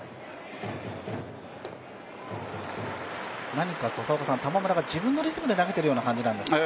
何か玉村が自分のリズムで投げているような感じなんですか？